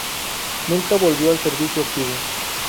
Nunca volvió al servicio activo.